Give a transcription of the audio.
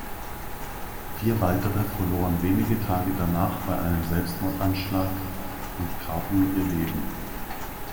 Vier weitere verloren wenige Tage danach bei einem Selbstmordanschlag in Kabul ihr Leben.